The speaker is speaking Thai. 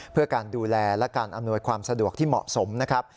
เพื่อการดูแลและการอำนวยความสะดวกที่เหมาะสมนะครับ